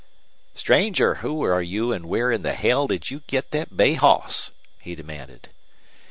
"Stranger, who are you an' where in the hell did you git thet bay hoss?" he demanded.